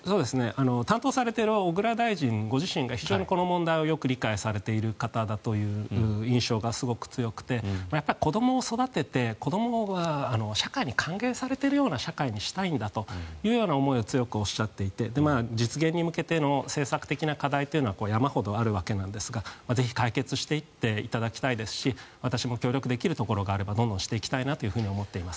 担当されている小倉大臣ご自身が非常に、この問題をよく理解されている方だという印象がすごく強くて、子どもを育てて子どもが社会に還元されているような社会にしたいんだと強くおっしゃっていて実現に向けての政策的な課題は山ほどあるわけなんですがぜひ解決していっていただきたいですし私も協力できるところがあればどんどんしていきたいと思います。